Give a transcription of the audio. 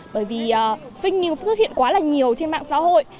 bởi vì fing news xuất hiện quá là nhiều trên mạng xã hội